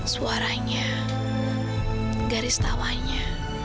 suaranya garis tawanya